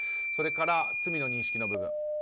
それから、罪の認識の部分。